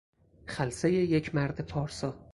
خلسهی یک مرد پارسا